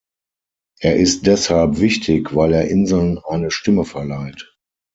Er ist deshalb wichtig, weil er Inseln eine Stimme verleiht.